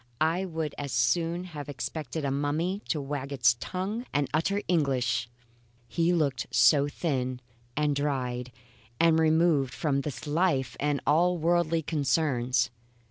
I would as soon have expected a mummy to wag its tongue and utter English, he looked so thin and dried and removed from this life and all worldly concerns.